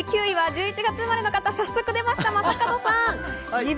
９位は１１月生まれの方、早速でました、正門さん。